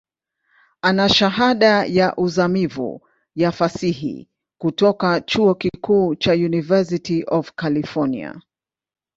Ana Shahada ya uzamivu ya Fasihi kutoka chuo kikuu cha University of California.